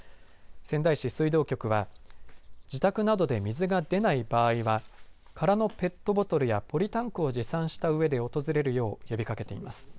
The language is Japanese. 仙台市水道局は自宅などで水が出ない場合は空のペットボトルやポリタンクを持参したうえで訪れるよう呼びかけています。